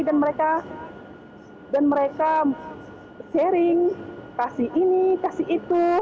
dan mereka dan mereka sharing kasih ini kasih itu